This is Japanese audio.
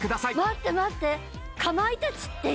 待って待って。